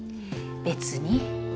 別に。